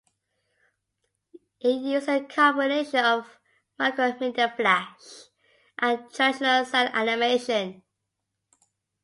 It used a combination of Macromedia Flash and traditional cel animation.